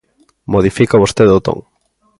Modifica vostede o ton.